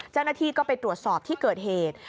เจ้าหน้าที่ก็ไปตรวจสอบที่เกิดเหตุ